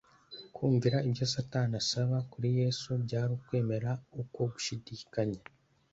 Kumvira ibyo Satani asaba, kuri Yesu byari ukwemera uko gushidikanya.